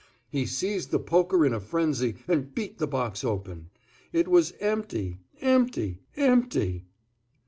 He seized the poker in a frenzy and beat the box open. It was empty—empty—empty!